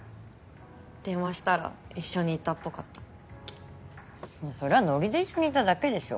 電話したら一緒にいたっぽかったそれはノリで一緒にいただけでしょ